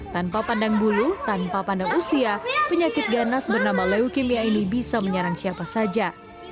tanpa pandang bulu tanpa pandang usia penyakit ganas bernama leukemia ini bisa menyerang siapa saja